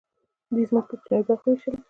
دوی ځمکې په کوچنیو برخو وویشلې.